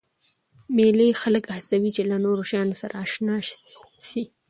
مېلې خلک هڅوي، چي له نوو شیانو سره اشنا سي.